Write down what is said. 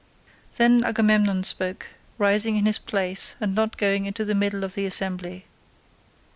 Then Agamemnon spoke, rising in his place, and not going into the middle of the assembly.